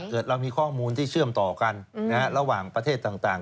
เกิดเรามีข้อมูลที่เชื่อมต่อกันระหว่างประเทศต่าง